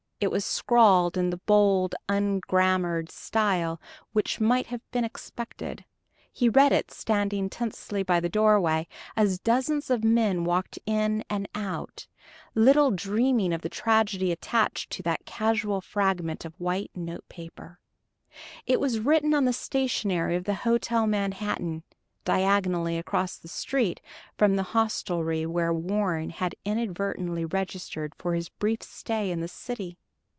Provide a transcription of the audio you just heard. It was scrawled in the bold, ungrammared style which might have been expected. He read it standing tensely by the doorway, as dozens of men walked in and out, little dreaming of the tragedy attached to that casual fragment of white note paper. It was written on the stationery of the Hotel Manhattan diagonally across the street from the hostelry where Warren had inadvertently registered for his brief stay in the city.